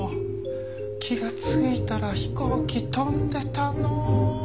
気がついたら飛行機飛んでたの。